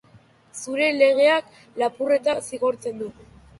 Zure legeak lapurreta zigortzen du.